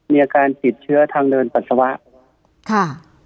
มีอาการชีดเชื้อทางเดินศาสวะ